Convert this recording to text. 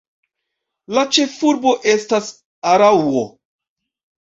La ĉefurbo estas Araŭo.